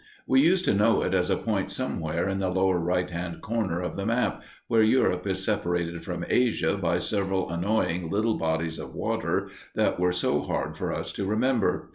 We used to know it as a point somewhere in the lower right hand corner of the map, where Europe is separated from Asia by several annoying little bodies of water that were so hard for us to remember.